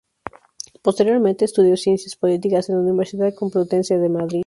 Posteriormente estudió Ciencias Políticas en la Universidad Complutense de Madrid.